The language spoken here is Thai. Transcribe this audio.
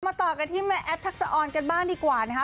ต่อกันที่แม่แอฟทักษะออนกันบ้างดีกว่านะคะ